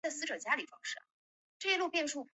这样说给我们灵宝带来多坏的影响！